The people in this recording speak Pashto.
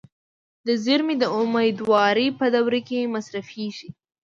دا زیرمې د امیدوارۍ په دوره کې مصرفېږي.